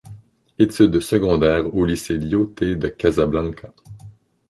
Études secondaires au lycée Lyautey de Casablanca.